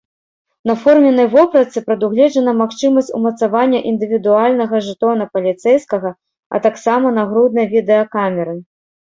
На форменнай вопратцы прадугледжана магчымасць умацавання індывідуальнага жэтона паліцэйскага, а таксама нагруднай відэакамеры.